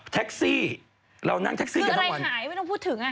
แท็คซี่เรานั่งแท็คซี่กัน๑วันคืออะไรหายไม่ต้องพูดถึงอ่ะ